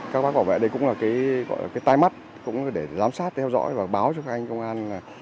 các bác bảo vệ đây cũng là cái tai mắt cũng để giám sát theo dõi và báo cho các anh công an là